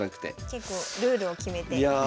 結構ルールを決めて是非。